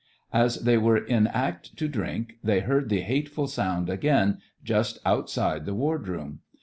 As they were in act to drink, they heard the hateful sound again just outside the wardroom.